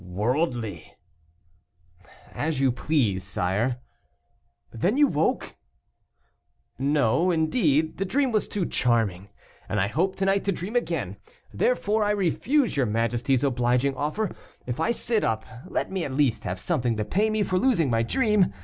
"Worldly." "As you please, sire." "Then you woke?" "No, indeed, the dream was too charming; and I hope to night to dream again; therefore I refuse your majesty's obliging offer. If I sit up, let me at least have something to pay me for losing my dream.